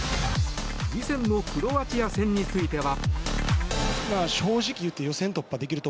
次戦のクロアチア戦については。